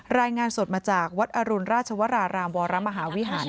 รายงานสดมาจากวัดอรุณราชวรารามวรมหาวิหาร